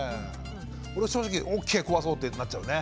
俺正直オッケー壊そうってなっちゃうね。